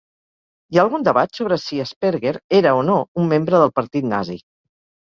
Hi ha algun debat sobre si Asperger era o no un membre del partit nazi.